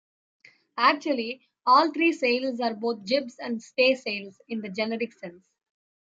Actually, all three sails are both jibs and staysails in the generic sense.